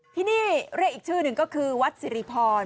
ที่นี่เรียกอีกชื่อหนึ่งก็คือวัดสิริพร